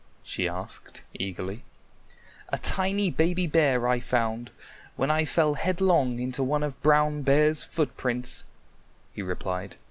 she asked eagerly. "A tiny baby bear I found when I fell headlong into one of Brown Bear's footprints," he replied.